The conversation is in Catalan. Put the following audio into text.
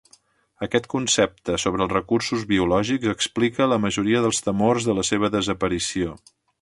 Aquest concepte sobre els recursos biològics explica la majoria dels temors de la seva desaparició.